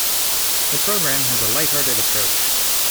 The programme has a light-hearted approach.